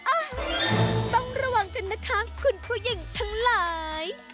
อ่ะต้องระวังกันนะคะคุณผู้หญิงทั้งหลาย